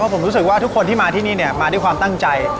ผมรู้สึกว่าทุกคนที่มาที่นี่มาด้วยความตั้งใจ